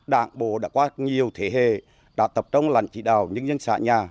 đảng bộ đã qua nhiều thế hệ đã tập trung lành chỉ đào những dân xã nhà